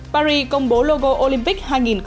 paris công bố logo olympic hai nghìn hai mươi